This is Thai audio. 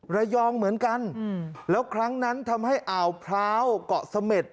ระยองเหมือนกันแล้วครั้งนั้นทำให้อ่าวพร้าวเกาะเสม็ด